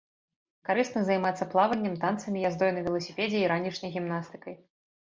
Карысна займацца плаваннем, танцамі, яздой на веласіпедзе і ранішняй гімнастыкай.